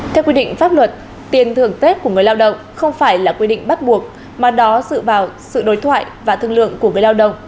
theo quy định pháp luật tiền thưởng tết của người lao động không phải là quy định bắt buộc mà đó dựa vào sự đối thoại và thương lượng của người lao động